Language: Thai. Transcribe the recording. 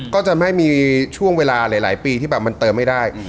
ก็จะไม่มีช่วงเวลาหลายปีที่แบบมันเติมไม่ได้